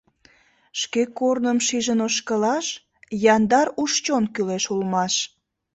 Шке корным шижын ошкылаш, Яндар уш-чон кӱлеш улмаш.